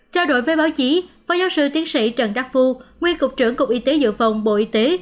trao đổi với báo chí phó giáo sư tiến sĩ trần đắc phu nguyên cục trưởng cục y tế dự phòng bộ y tế